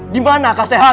dimana kau sehat